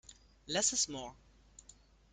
Less is more.